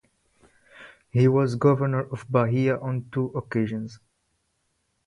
He was governor of Bahia on two occasions.